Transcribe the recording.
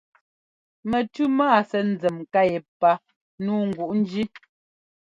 Mɛtʉ́ má sɛ́ nzěm nká yépá nǔu nguʼ njí.